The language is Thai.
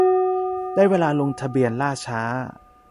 ได้เวลาลงทะเบียน ล่าช้า